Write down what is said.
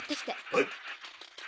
はい。